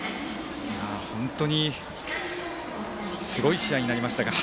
本当にすごい試合になりましたが。